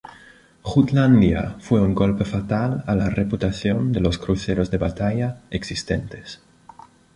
Jutlandia fue un golpe fatal a la reputación de los cruceros de batalla existentes.